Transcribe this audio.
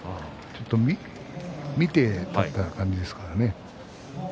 ちょっと見て立った感じですからね。